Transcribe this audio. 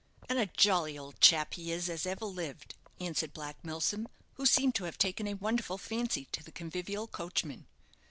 "And a jolly old chap he is as ever lived," answered Black Milsom, who seemed to have taken a wonderful fancy to the convivial coachman.